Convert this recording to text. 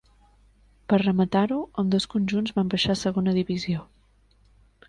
Per rematar-ho, ambdós conjunts van baixar a Segona Divisió.